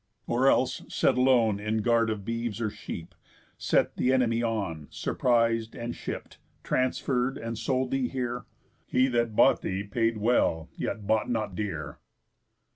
Or else, set alone In guard of beeves, or sheep, set th' enemy on, Surpris'd, and shipp'd, transferr'd, and sold thee here? He that bought thee paid well, yet bought not dear."